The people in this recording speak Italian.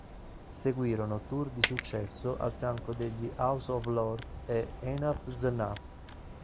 Seguirono tour di successo al fianco degli House of Lords e Enuff Z'Nuff.